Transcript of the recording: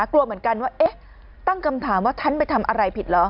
กลัวเหมือนกันว่าเอ๊ะตั้งคำถามว่าฉันไปทำอะไรผิดเหรอ